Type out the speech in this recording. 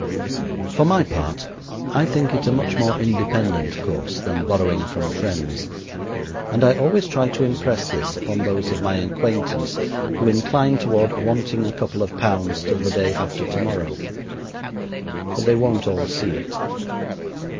For my part, I think it a much more independent course than borrowing from friends, and I always try to impress this upon those of my acquaintance who incline toward "wanting a couple of pounds till the day after to morrow." But they won't all see it.